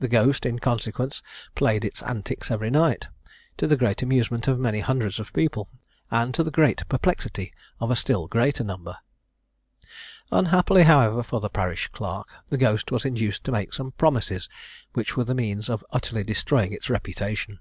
The ghost, in consequence, played its antics every night, to the great amusement of many hundreds of people, and the great perplexity of a still greater number. Unhappily, however, for the parish clerk, the ghost was induced to make some promises which were the means of utterly destroying its reputation.